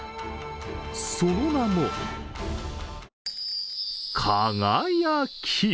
その名も、輝。